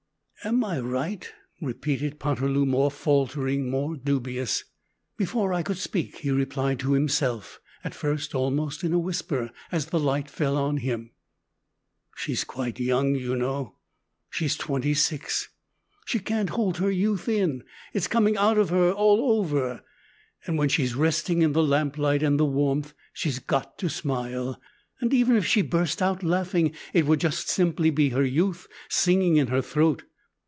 "Am I right?" repeated Poterloo, more faltering, more dubious. Before I could speak he replied to himself, at first almost in a whisper, as the light fell on him "She's quite young, you know; she's twenty six. She can't hold her youth in, it's coming out of her all over, and when she's resting in the lamp light and the warmth, she's got to smile; and even if she burst out laughing, it would just simply be her youth, singing in her throat.